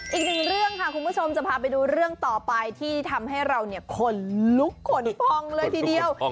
อีกหนึ่งเรื่องค่ะคุณผู้ชมจะพาไปดูเรื่องต่อไปที่ทำให้เราเนี่ยขนลุกขนพองเลยทีเดียว